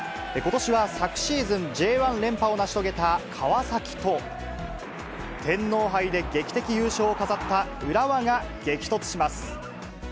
ことしは昨シーズン、Ｊ１連覇を成し遂げた川崎と、天皇杯で劇的優勝を飾った浦和が激突します。